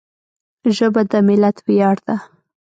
ژبه د ملت ویاړ ده